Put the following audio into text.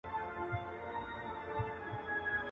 ذهني فشار د بدن دفاع کمزورې کوي.